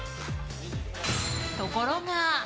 ところが。